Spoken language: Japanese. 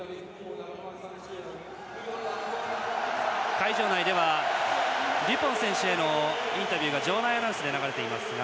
会場内ではデュポン選手へのインタビューが場内アナウンスで流れています。